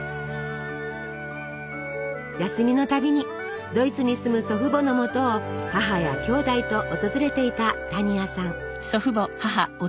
休みのたびにドイツに住む祖父母のもとを母やきょうだいと訪れていた多仁亜さん。